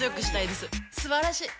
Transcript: すばらしい！